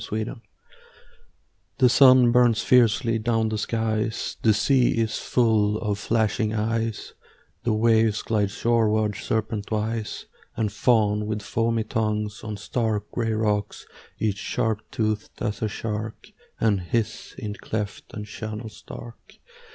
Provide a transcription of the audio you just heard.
A PICTURE THE sun burns fiercely down the skies ; The sea is full of flashing eyes ; The waves glide shoreward serpentwise And fawn with foamy tongues on stark Gray rocks, each sharp toothed as a shark, And hiss in clefts and channels dark.